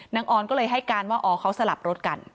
ออนก็เลยให้การว่าอ๋อเขาสลับรถกัน